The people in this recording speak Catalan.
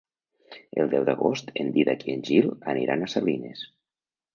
El deu d'agost en Dídac i en Gil aniran a Salines.